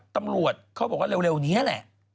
ตำรวจเขาบอกว่าเร็วนี้แหละ